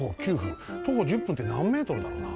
徒歩１０分ってなんｍだろうな？